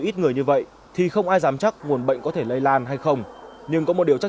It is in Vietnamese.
ít người như vậy thì không ai dám chắc nguồn bệnh có thể lây lan hay không nhưng có một điều chắc